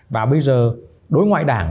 và bây giờ đối ngoại đảng